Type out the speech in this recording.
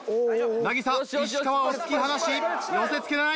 なぎさ石川を突き放し寄せ付けない。